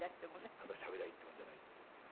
ただしゃべりゃあいいっていうもんじゃないっていうのがね。